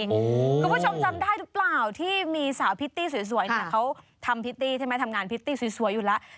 คุณผู้ชมจำได้หรือเปล่าที่มีสาวพิตตี้สวยเนี่ยเขาทำพิตตี้ใช่ไหมทำงานพริตตี้สวยอยู่แล้ว